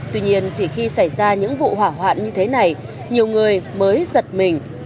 tuy nhiên chỉ khi xảy ra những vụ hỏa hoạn như thế này nhiều người mới giật mình